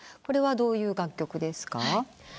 これはどういう楽曲ですか？